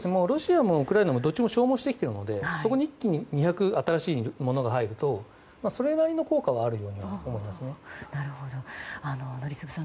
ロシアもウクライナもどっちも消耗してきているのでそこに一気に２００新しいものが入るとそれなりの効果はあるように思います。